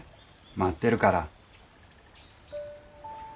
待ってるから。